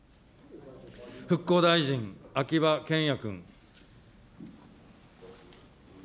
復興大臣、秋葉賢也君。